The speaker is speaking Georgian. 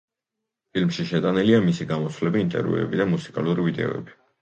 ფილმში შეტანილია მისი გამოსვლები, ინტერვიუები და მუსიკალური ვიდეოები.